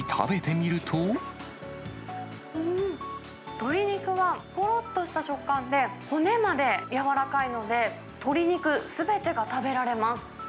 鶏肉はほろっとした食感で、骨まで柔らかいので、鶏肉すべてが食べられます。